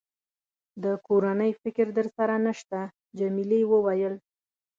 د کورنۍ فکر در سره نشته؟ جميلې وويل:.